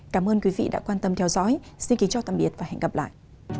cảm ơn quý vị đã quan tâm theo dõi xin kính chào tạm biệt và hẹn gặp lại